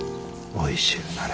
おいしゅうなれ。